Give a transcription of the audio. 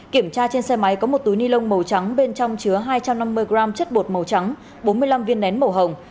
kiểm tra trên xe máy có một túi ni lông màu trắng bên trong chứa hai trăm năm mươi g chất bột màu trắng bốn mươi năm viên nén màu hồng